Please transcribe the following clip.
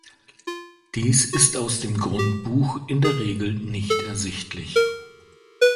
Dies ist aus dem Grundbuch in der Regel nicht ersichtlich.